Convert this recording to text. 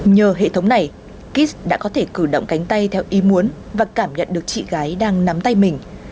nhờ hệ thống này kit đã có thể cử động cánh tay theo ý muốn và cảm nhận được chị gái đang nắm tay mình